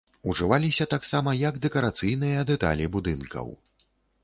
Ужываліся таксама як дэкарацыйныя дэталі будынкаў.